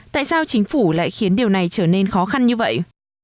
tại sao chính phủ lại khiến điều này trở nên khó khăn như vậy